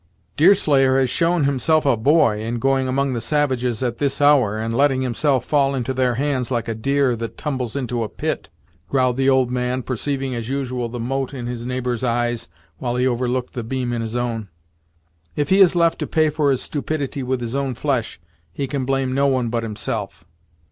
"Deerslayer has shown himself a boy, in going among the savages at this hour, and letting himself fall into their hands like a deer that tumbles into a pit," growled the old man, perceiving as usual the mote in his neighbor's eyes, while he overlooked the beam in his own; "if he is left to pay for his stupidity with his own flesh, he can blame no one but himself."